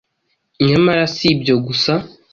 Nyamara si byo gusa